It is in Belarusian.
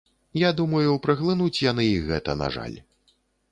Я думаю, праглынуць яны і гэта, на жаль.